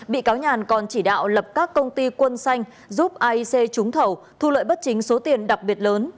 bị cáo nhàn còn chỉ đạo lập các công ty quân xanh giúp aic trúng thầu thu lợi bất chính số tiền đặc biệt lớn